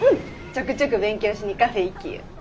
ちょくちょく勉強しにカフェ行きゆ。